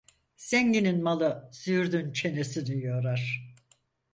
Zenginin malı, züğürdün çenesini yorar.